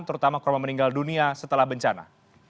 terutama korban meninggal dunia setelah bencana